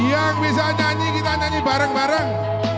yang bisa nyanyi kita nyanyi bareng bareng